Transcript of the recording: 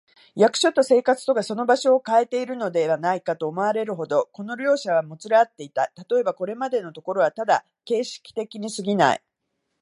役所と生活とがその場所をかえているのではないか、と思われるほど、この両者はもつれ合っていた。たとえば、これまでのところはただ形式的にすぎない、